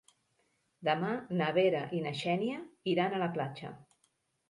Demà na Vera i na Xènia iran a la platja.